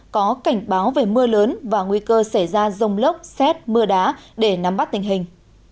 có cảnh báo về mưa lớn và nguy cơ xảy ra rông lốc xét mưa đá để nắm bắt tình hình